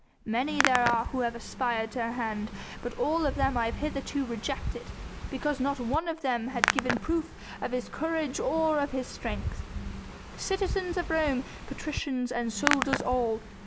Many there are who have aspired to her hand, but all of them have I hitherto rejected, because not one of them had given proof of his courage or of his strength. Citizens of Rome, patricians, and soldiers all!